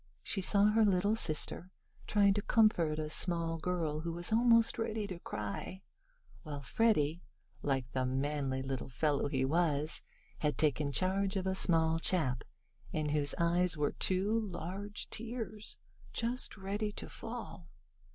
She saw her little sister trying to comfort a small girl who was almost ready to cry, while Freddie, like the manly little fellow he was, had taken charge of a small chap in whose eyes were two large tears, just ready to fall.